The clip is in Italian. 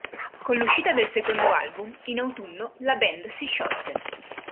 Con l'uscita del secondo album, in autunno la band si sciolse.